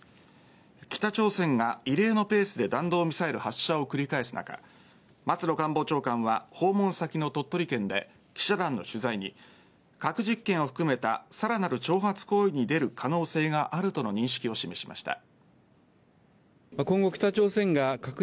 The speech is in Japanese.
北朝鮮が異例のペースで弾道ミサイル発射を繰り返す中松野官房長官は訪問先の鳥取県で記者団の取材に核実験を含めたさらなる挑発行為に出る可能性があるとの認識を示しました。